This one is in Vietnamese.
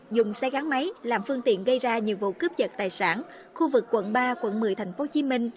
dùng xe gắn máy làm phương tiện gây ra nhiều vụ cướp giật tài sản khu vực quận ba quận một mươi tp hcm